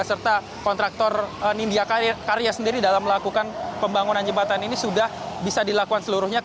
serta kontraktor nindya karya sendiri dalam melakukan pembangunan jembatan ini sudah bisa dilakukan seluruhnya